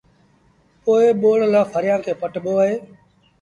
پو ٻوڙ لآ ڦريآݩ کي پٽبو اهي